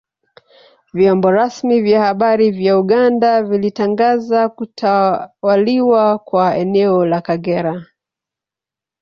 Vyombo rasmi vya habari vya Uganda vilitangaza kutwaliwa kwa eneo la Kagera